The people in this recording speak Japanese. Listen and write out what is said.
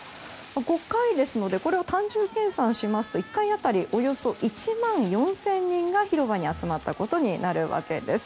５回ですのでこれを単純計算しますと１回当たりおよそ１万４０００人が広場に集まったことになります。